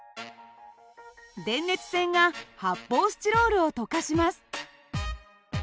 電熱線が発泡スチロールを溶かします。